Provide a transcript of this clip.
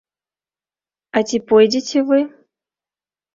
А ці пойдзеце вы?